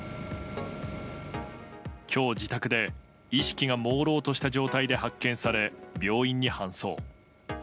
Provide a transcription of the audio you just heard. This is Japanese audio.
今日、自宅で意識がもうろうとした状態で発見され病院に搬送。